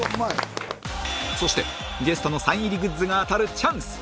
そしてゲストのサイン入りグッズが当たるチャンス